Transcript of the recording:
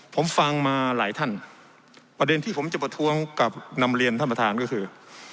ผมฟังมาหลายท่านประเด็นที่ผมจะประท้วงกับนำเรียนท่านประธานก็คือ